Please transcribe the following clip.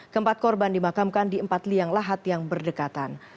keempat korban dimakamkan di empat liang lahat yang berdekatan